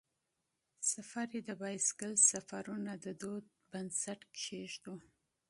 سفر یې د بایسکل سفرونو د دود بنسټ کیښود.